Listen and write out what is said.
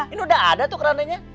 ini udah ada tuh kerandanya